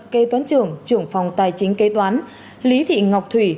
kê toán trưởng trưởng phòng tài chính kê toán lý thị ngọc thủy